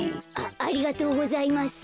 ありがとうございます。